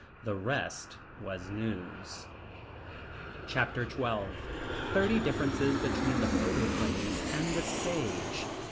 The rest was news. Chapter XII Thirty Differences between the Photoplays and the Stage.